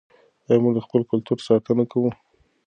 آیا موږ د خپل کلتور ساتنه کوو؟